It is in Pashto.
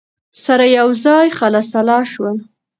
سره یوځای خلع سلاح شول